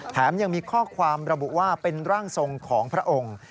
แถมยังมีข้อความระบุว่าเป็นร่างทรงของพระองค์